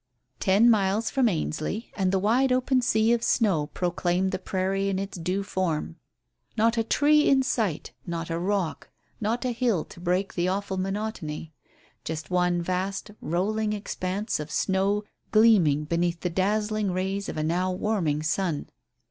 Ten miles from Ainsley and the wide open sea of snow proclaimed the prairie in its due form. Not a tree in sight, not a rock, not a hill to break the awful monotony. Just one vast rolling expanse of snow gleaming beneath the dazzling rays of a now warming sun.